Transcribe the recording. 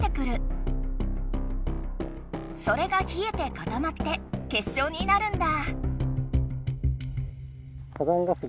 それがひえてかたまって結晶になるんだ。